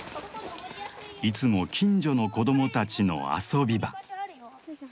いつも近所の子供たちの遊び場。